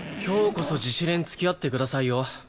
今日こそ自主練付き合ってくださいよ。